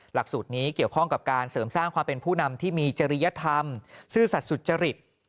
หลักสูตรนี้เกี่ยวข้องกับการเสริมสร้างความเป็นผู้นำที่มีจริยธรรมซื่อสัตว์สุจริต